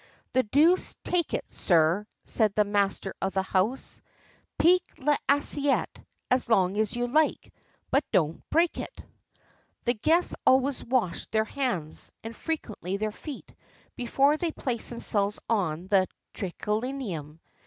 "The deuce take it, sir," said the master of the house; "piquez l'assiette as long as you like, but don't break it!" The guests always washed their hands, and frequently their feet, before they placed themselves on the triclinium.